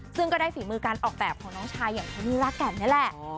ซึ่งก็ได้ฝีมือการออกแบบของน้องชายอย่างโทนี่รากแก่นนี่แหละ